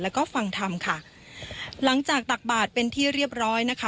แล้วก็ฟังธรรมค่ะหลังจากตักบาทเป็นที่เรียบร้อยนะคะ